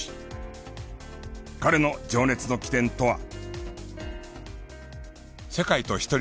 彼の情熱の起点とは？